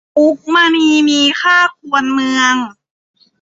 มุกมณีมีค่าควรเมือง